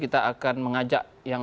kamu semakin denkolong